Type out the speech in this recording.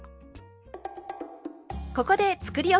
ここでつくりおき